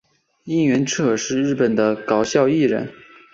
萤原彻是日本的搞笑艺人。